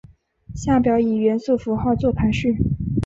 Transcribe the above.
下表以元素符号作排序。